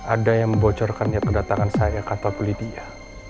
ada yang membocorkan niat kedatangan saya ke kantor bu lydia